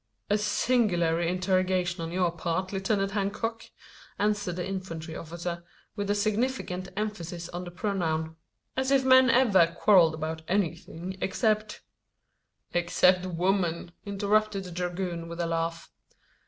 "A singular interrogation on your part, Lieutenant Hancock!" answered the infantry officer, with a significant emphasis on the pronoun. "As if men ever quarrelled about anything except " "Except women," interrupted the dragoon with a laugh.